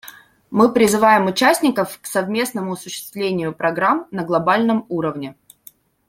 Мы призываем участников к совместному осуществлению программ на глобальном уровне.